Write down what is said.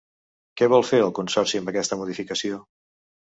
Què vol fer el consistori amb aquesta modificació?